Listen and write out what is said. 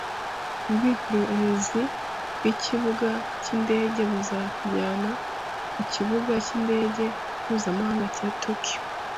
Ubwikorezi bwikibuga cyindege buzakujyana ku Kibuga cy’indege mpuzamahanga cya Tokiyo.